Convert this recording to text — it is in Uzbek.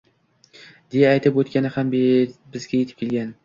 deya aytib o‘tgani ham bizga yetib kelgan.